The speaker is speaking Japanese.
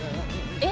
えっ！